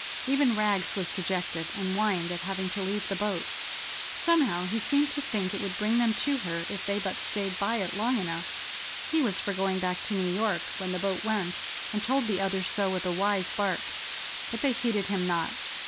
Even Rags was dejected, and whined at having to leave the boat. Somehow he seemed to think it would bring them to her if they but stayed by it long enough. He was for going back to New York when the boat went, and told the others so with a wise bark, but they heeded him not.